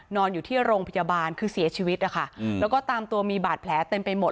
นอนอยู่ที่โรงพยาบาลคือเสียชีวิตนะคะแล้วก็ตามตัวมีบาดแผลเต็มไปหมด